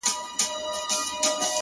• ماته دا عجیبه ښکاره سوه -